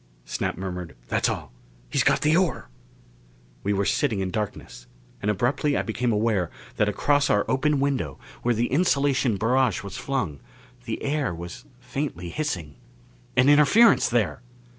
_ Snap murmured, "That's all. He's got the ore!" We were sitting in darkness, and abruptly I became aware that across our open window, where the insulation barrage was flung, the air was faintly hissing. An interference there!